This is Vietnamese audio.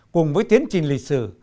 cùng với tiến trình lịch sử